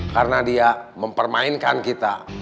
karena dia mempermainkan kita